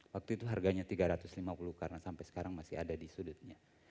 waktu itu harganya tiga ratus lima puluh karena sampai sekarang masih ada di sudutnya